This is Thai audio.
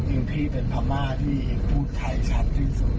อินพี่เป็นพม่าที่พูดไทยชัดที่สุด